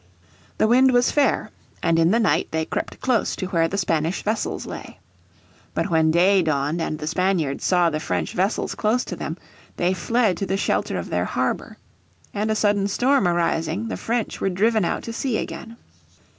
The wind was fair, and in the night they crept close to where the Spanish vessels lay. But when day dawned and the Spaniards saw the French vessels close to them they fled to the shelter of their harbour. And a sudden storm arising the French were driven out to sea again.